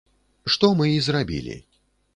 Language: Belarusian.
Што мы і зрабілі.